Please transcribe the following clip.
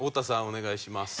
お願いします。